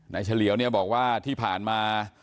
นายเฉลียวบอกว่าที่ผ่านมา